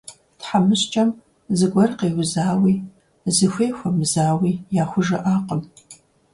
Тхьэмыщкӏэм зыгуэр къеузауи, зыхуей хуэмызауи яхужыӀакъым.